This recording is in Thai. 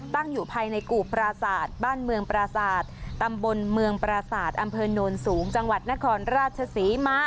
ตั้งอยู่ภายในกู่ปราศาสตร์บ้านเมืองปราศาสตร์ตำบลเมืองปราศาสตร์อำเภอโนนสูงจังหวัดนครราชศรีมา